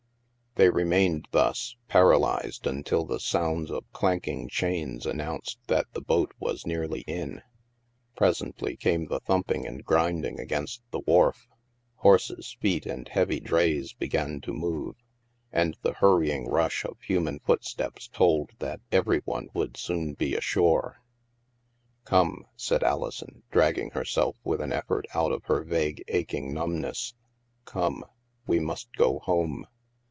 They remained thus, paralyzed, until the sounds of clanking chains announced that the boat was nearly in. Presently came the thumping and grind ing against the wharf. Horses' feet and heavy drays began to move, and the hurrying rush of human footsteps told that every one would soon be ashore. " Come," said Alison, dragging herself with an effort out of her vague aching numbness. " Come. We must go home."